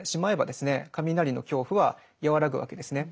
雷の恐怖は和らぐわけですね。